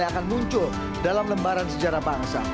yang akan muncul dalam lembaran sejarah bangsa